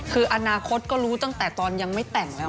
คืออนาคตก็รู้ตั้งแต่ตอนยังไม่แต่งแล้ว